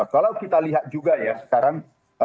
kalau kita lihat juga ya sekarang